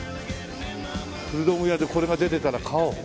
古道具屋でこれが出てたら買おう。